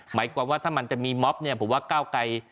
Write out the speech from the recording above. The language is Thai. หมายความว่าถ้ามันจะมีม็อบเนี่ยผมว่าก้าวไกร